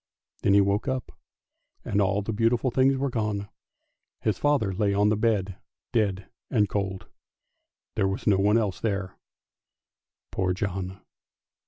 Then he woke up, and all the beautiful things were gone; his father lay on the bed dead and cold, and there was no one else there, poor John!